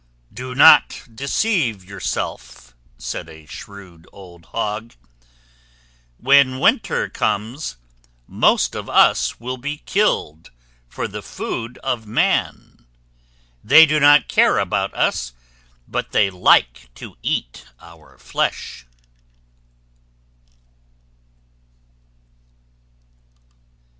"Do not deceive yourself," said a shrewd old Hog. "When winter comes most of us will be killed, for the food of man. They do not care about us, but they like to eat our flesh."